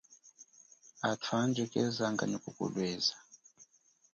Athu andji kezanga nyi kukulweza.